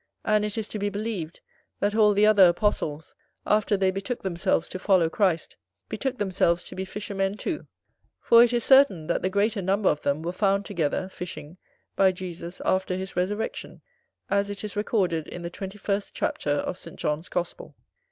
And it is to be believed, that all the other Apostles, after they betook themselves to follow Christ, betook themselves to be fishermen too; for it is certain, that the greater number of them were found together, fishing, by Jesus after his resurrection, as it is recorded in the twenty first chapter of St. John's gospel.